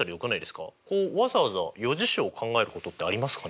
こうわざわざ余事象を考えることってありますかね？